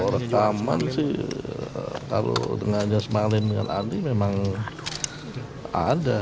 rekaman sih kalau dengannya semalin dengan ani memang ada